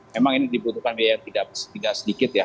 memang ini dibutuhkan biaya yang tidak sedikit ya